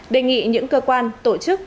đề nghị những cơ quan tổ chức